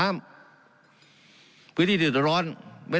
การปรับปรุงทางพื้นฐานสนามบิน